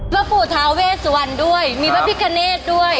พระผู้ท้าเวสวันด้วยมีพระพิกเกณฑ์ด้วย